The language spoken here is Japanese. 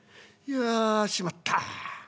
「いやしまった。